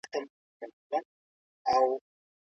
موږ بايد د تاريخ له پاڼو څخه عبرت واخلي.